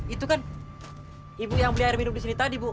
itu kan ibu yang beli air minum di sini tadi bu